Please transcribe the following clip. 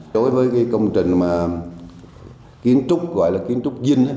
đối với cái công trình mà kiến trúc gọi là kiến trúc dinh